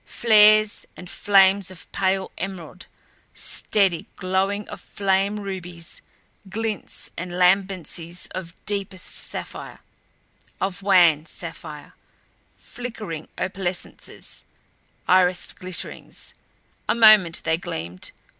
Flares and flames of pale emerald, steady glowing of flame rubies, glints and lambencies of deepest sapphire, of wan sapphire, flickering opalescences, irised glitterings. A moment they gleamed.